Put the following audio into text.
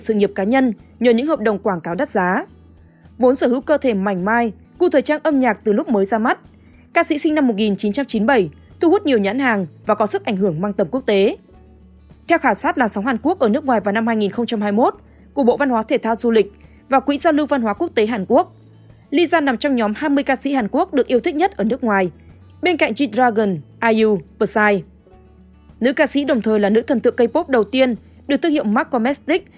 nữ ca sĩ đồng thời là nữ thần tượng k pop đầu tiên được thương hiệu mark komestic